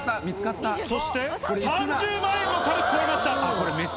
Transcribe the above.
そして、３０万円の壁、超えました。